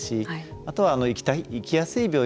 あとは行きやすい病院